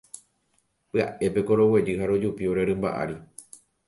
Pya'épeko roguejy ha rojupi ore rymba ári.